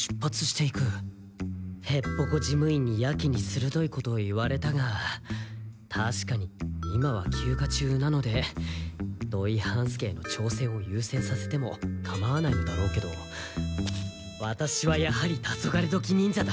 ヘッポコ事務員にヤケにするどいことを言われたが確かに今は休か中なので土井半助への挑戦を優先させてもかまわないんだろうけどワタシはやはりタソガレドキ忍者だ。